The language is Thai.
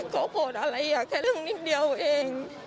เขาโกรธอะไรอยากแค่เรื่องนิดเดียวเอง